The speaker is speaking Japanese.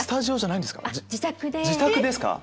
自宅ですか。